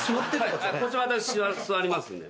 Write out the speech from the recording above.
こっちは私座りますんで。